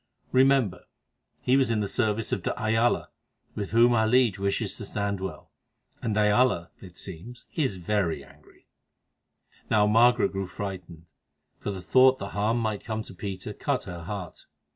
Remember, he was in the service of de Ayala, with whom our liege wishes to stand well, and de Ayala, it seems, is very angry." Now Margaret grew frightened, for the thought that harm might come to Peter cut her heart.